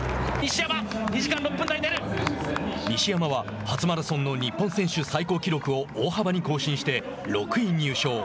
西山は初マラソンの日本選手最高記録を大幅に更新して６位入賞。